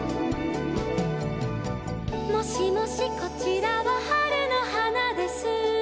「もしもしこちらは春の花です」